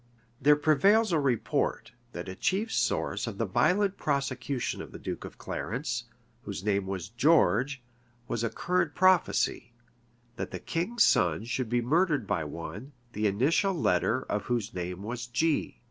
There prevails a report, that a chief source of the violent prosecution of the duke of Clarence, whose name was George, was a current prophecy, that the king's son should be murdered by one, the initial letter of whose name was G.